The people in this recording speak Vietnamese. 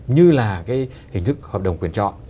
như là cái hình thức hợp đồng quyền trọ